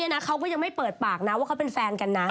นี้แล้วเขาก็ยังไม่เปิดปากแล้วก็เป็นแฟนกันนะ